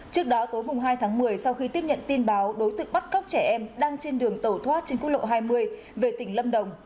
trước đó tối hai tháng một mươi sau khi tiếp nhận tin báo đối tượng bắt cóc trẻ em đang trên đường tẩu thoát trên quốc lộ hai mươi về tỉnh lâm đồng